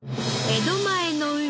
江戸前の海